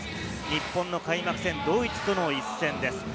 日本の開幕戦、ドイツとの一戦です。